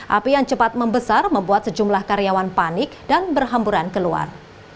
api yang cepat membesar membuat sejumlah karyawan panik dan berhamburan keluar